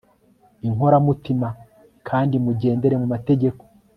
inkoramutima, kandi mugendere mu mategeko